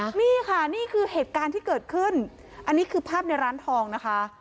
นี่ค่ะนี่คือเหตุการณ์ที่เกิดขึ้นอันนี้คือภาพในร้านทองนะคะ